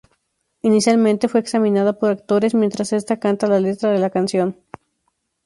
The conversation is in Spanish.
Inicialmente fue examinada por actores mientras esta canta la letra de la canción.